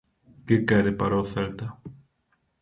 Que quere para o Celta?